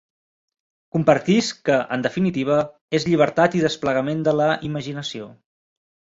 Compartisc que, en definitiva, és llibertat i desplegament de la imaginació.